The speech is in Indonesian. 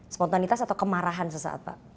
spontanitas atau kemarahan sesaat pak